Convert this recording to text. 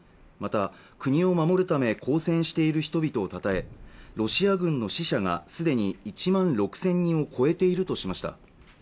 また国を護るため抗戦している人々をたたえロシア軍の死者がすでに１万６０００人を超えているとしました